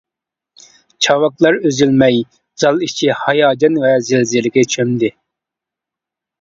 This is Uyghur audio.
چاۋاكلار ئۈزۈلمەي، زال ئىچى ھاياجان ۋە زىلزىلىگە چۆمدى.